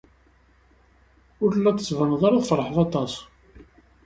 Ur la d-tettbaneḍ ara tfeṛḥeḍ aṭaw.